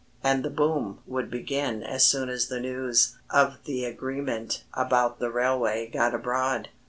And the boom would begin as soon as the news of the agreement about the railway got abroad.